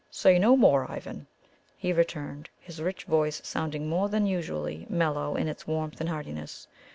"Say no more, Ivan," he returned, his rich voice sounding more than usually mellow in its warmth and heartiness.